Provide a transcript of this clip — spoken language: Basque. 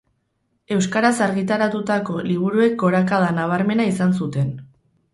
Euskaraz argitaratutako liburuek gorakada nabarmena izan zuten.